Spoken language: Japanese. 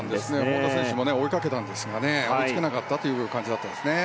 本多選手も追いかけたんですが追いつけなかったという感じでしたね。